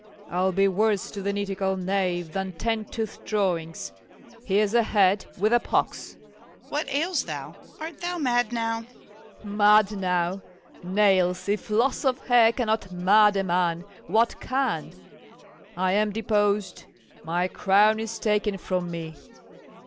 I'll be worse to the nitticall knave than ten tooth drawings. Here's a head, with a pox! MORRIS. What ails thou? art thou mad now? FAULKNER. Mad now! nails, if loss of hair cannot mad a man, what can? I am deposed, my crown is taken from me.